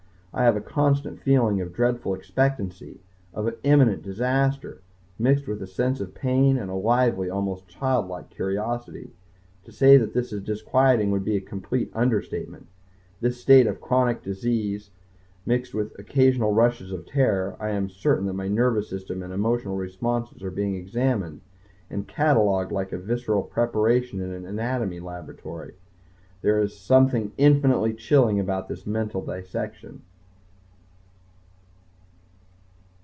I have a constant feeling of dreadful expectancy, of imminent disaster, mixed with a sense of pain and a lively almost childlike curiosity. To say that this is disquieting would be a complete understatement, this state of chronic disease, mixed with occasional rushes of terror. I am certain that my nervous system and emotional responses are being examined, and catalogued like a visceral preparation in an anatomy laboratory. There is something infinitely chilling about this mental dissection.